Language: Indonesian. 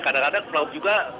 kadang kadang pelaut juga